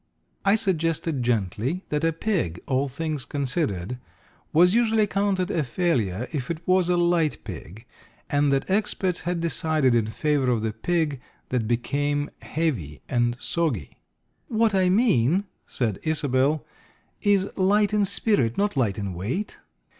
I suggested gently that a pig, all things considered, was usually counted a failure if it was a light pig, and that experts had decided in favour of the pig that became heavy and soggy. "What I mean," said Isobel, "is light in spirit, not light in weight."